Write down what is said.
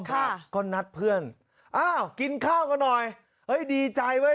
ค่ะก็นัดเพื่อนอ้าวกินข้าวกันหน่อยเอ้ยดีใจเว้ย